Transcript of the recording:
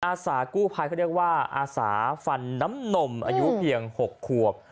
อาสากู้ภัยเขาเรียกว่าอาสาฟันน้ำนมอายุเพียง๖ขวบ